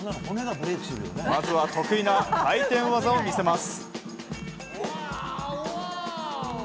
まずは得意な回転技を見せます。